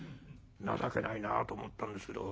情けないなあと思ったんですけど。